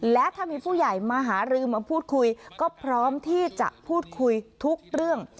และถ้ามีผู้ใหญ่มาหารือมาพูดคุยก็พร้อมที่จะพูดคุยทุกเรื่อง